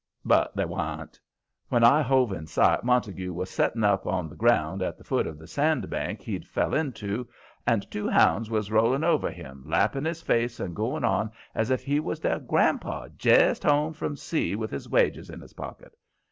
But they wan't. When I hove in sight Montague was setting up on the ground at the foot of the sand bank he'd fell into, and the two hounds was rolling over him, lapping his face and going on as if he was their grandpa jest home from sea with his wages in his pocket.